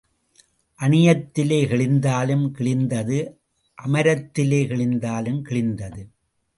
அணியத்திலே கிழிந்தாலும் கிழிந்தது அமரத்திலே கிழிந்தாலும் கிழிந்தது.